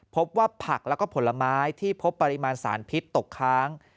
พบว่าผักแล้วก็ผลไม้ที่พบปริมาณสารพิษตกค้าง